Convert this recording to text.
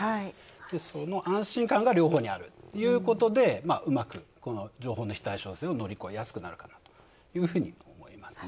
その安心感が両方にあるということでうまく両方の非対称性を乗り越えやすくなるかなというふうに思いますね。